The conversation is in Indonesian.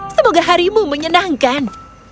semoga harimu menyenangkan